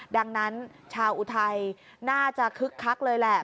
ดังนั้นชาวอุทัยน่าจะคึกคักเลยแหละ